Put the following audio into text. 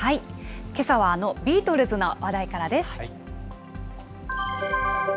けさはあのビートルズの話題からです。